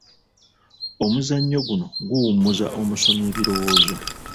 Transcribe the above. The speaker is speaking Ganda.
Omuzannyo guno guwummuza omusomi ebirowoozo.